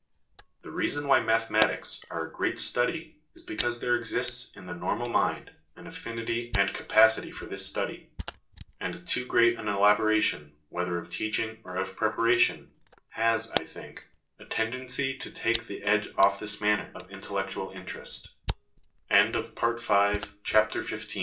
The reason why mathematics are a great study is because there exists in the normal mind an affinity and capacity for this study ; and too great an elaboration, whether of teaching or of preparation, has, I think, a tendency to take the edge off this manner of intellectual int